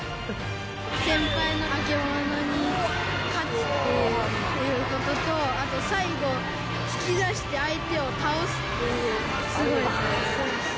先輩の曙に勝つっていうことと、あと最後、突き出して、相手を倒すっていう、すごいと思います。